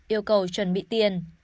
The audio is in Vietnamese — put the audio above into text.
yêu cầu chuẩn bị tiền